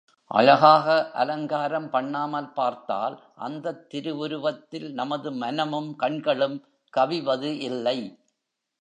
அழகாக அலங்காரம் பண்ணாமல் பார்த்தால் அந்தத் திருவுருவத்தில் நமது மனமும் கண்களும் கவிவது இல்லை.